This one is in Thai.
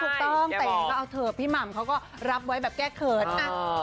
ถูกต้องแต่ก็เอาเถอะพี่หม่ำเขาก็รับไว้แบบแก้เขิน